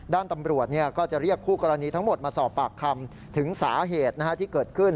ด้านตำรวจก็จะเรียกคู่กรณีทั้งหมดมาสอบปากคำถึงสาเหตุที่เกิดขึ้น